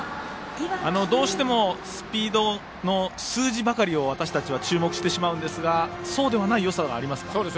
どうしてもスピードの数字ばかりを私たちは注目してしまうんですがそうではないよさがありますか。